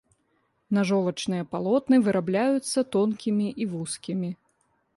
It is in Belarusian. Нажовачныя палотны вырабляюцца тонкімі і вузкімі.